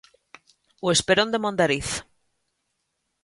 O esperón de Mondariz.